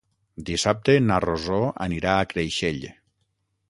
Dissabte na Rosó anirà a Creixell.